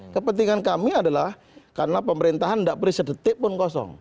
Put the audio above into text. kepentingan kami adalah karena pemerintahan tidak beri sedetik pun kosong